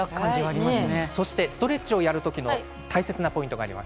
ストレッチをやる時の大切なポイントがあります。